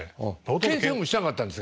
けん制もしなかったんですか？